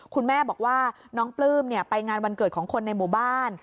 คุณแม่บอกว่าน้องปลื้มไปงานวันเกิดของคนในหมู่บ้าน